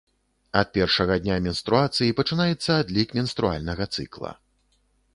Ад першага дня менструацыі пачынаецца адлік менструальнага цыкла.